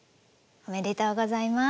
おめでとうございます。